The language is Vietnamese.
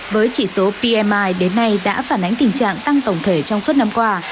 với chỉ số pmi đến nay đã phản ánh tình trạng tăng tổng thể trong suốt năm qua